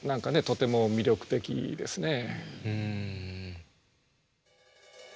とても魅力的ですね。